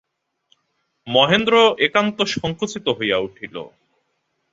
মহেন্দ্র একান্ত সংকুচিত হইয়া উঠিল।